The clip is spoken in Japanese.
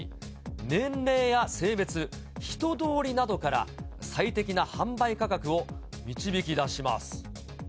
年齢や性別、人通りなどから、最適な販売価格を導き出します。